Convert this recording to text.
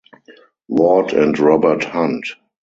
Ward and Robert Hunt.